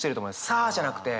サアじゃなくて。